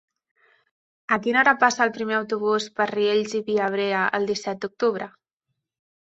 A quina hora passa el primer autobús per Riells i Viabrea el disset d'octubre?